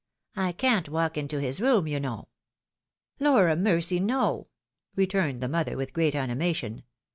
I can't walk into his room, you know." " Lor a mercy, no !" returned the mother, with great ani mation.